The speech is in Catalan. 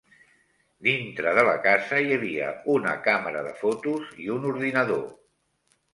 Dintre de la casa hi havia una càmera de fotos i un ordinador.